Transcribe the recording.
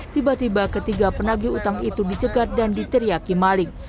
tiba tiba ketiga penagi utang itu dicegat dan diteriaki maling